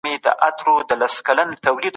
بد نيت زيان راولي